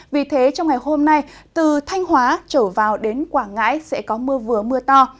vì thế trong ngày hôm nay từ thanh hóa trở vào đến quảng ngãi sẽ có mưa vừa mưa to